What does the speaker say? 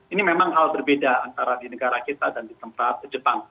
ini memang hal berbeda antara di negara kita dan di tempat jepang